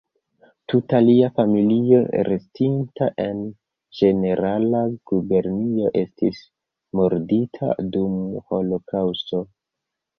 Tuta lia familio restinta en Ĝenerala Gubernio estis murdita dum holokaŭsto.